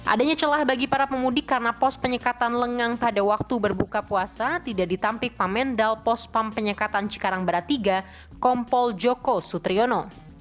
adanya celah bagi para pemudik karena pos penyekatan lengang pada waktu berbuka puasa tidak ditampik pamendal pospam penyekatan cikarang barat tiga kompol joko sutriono